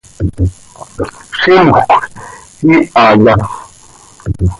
¿Zímjöc iihaya?